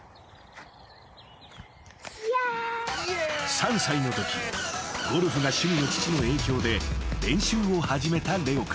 ［３歳のときゴルフが趣味の父の影響で練習を始めたレオ君］